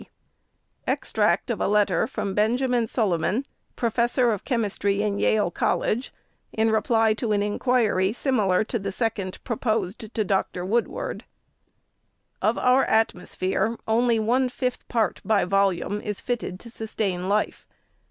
(C.) Extract of a letter from BENJAMIN SILUMAN, Professor of Chemistry in Yale College, in reply to an inquiry similar to the SECOND pro posed to Dr. Woodward. — See p. 441. OF our atmosphere, only one fifth part, by volume, is fitted to sus tain life.